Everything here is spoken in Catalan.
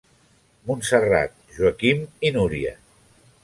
Montserrat, Joaquim i Núria.